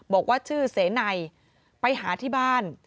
บอกว่าชื่อเสนัยไปหาที่บ้าน